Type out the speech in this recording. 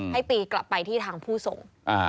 ให้ปีกลับไปที่ทางผู้ส่ง